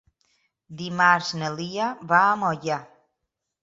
Dimarts na Lia va a Moià.